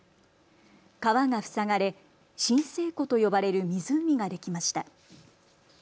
川が塞がれ震生湖と呼ばれる湖ができました。